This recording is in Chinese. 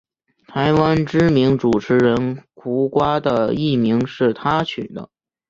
台湾知名主持人胡瓜的艺名是他取的。